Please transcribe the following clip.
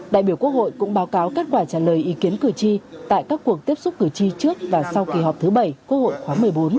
đại biểu quốc hội cũng báo cáo kết quả trả lời ý kiến cử tri tại các cuộc tiếp xúc cử tri trước và sau kỳ họp thứ bảy quốc hội khóa một mươi bốn